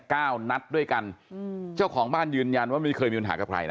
นัดด้วยกันอืมเจ้าของบ้านยืนยันว่าไม่เคยมีปัญหากับใครนะ